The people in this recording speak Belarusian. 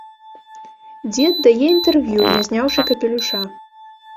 Дзед дае інтэрв'ю, не зняўшы капелюша.